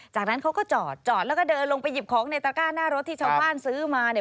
จากนั้นเขาก็จอดจอดแล้วก็เดินลงไปหยิบของในตระก้าหน้ารถที่ชาวบ้านซื้อมาเนี่ย